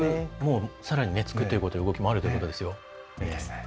さらに作っているという動きもあるということですね。